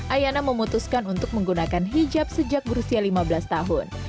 ayana memutuskan untuk menggunakan hijab sejak berusia lima belas tahun